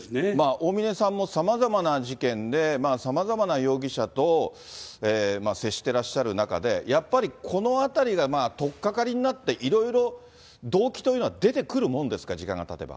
大峯さんもさまざまな事件で、さまざまな容疑者と接してらっしゃる中で、やっぱりこのあたりがとっかかりになって、いろいろ動機というのは出てくるものですか、時間がたてば。